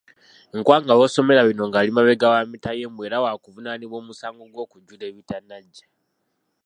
Nkwanga w'osomera bino ng'ali mabega wa mitayimbwa era waakuvunaanibwa omusango gw'okujjula ebitanaggya.